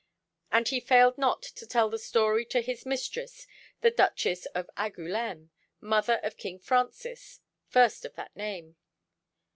And he failed not to tell the story to his mistress the Duchess of Angoulême, mother of King Francis, first of that name.